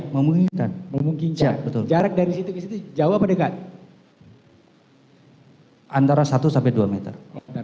memungkinkan memungkinkan betul jarak dari situ ke situ jawa berdekat antara satu dua meter